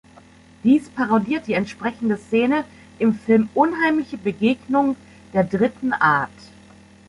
Dies parodiert die entsprechende Szene im Film "Unheimliche Begegnung der dritten Art".